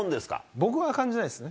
僕は感じないですね。